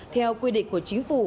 theo quy định của chính phủ